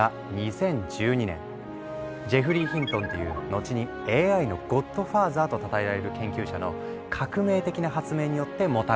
ジェフリー・ヒントンっていう後に「ＡＩのゴッド・ファーザー」とたたえられる研究者の革命的な発明によってもたらされた。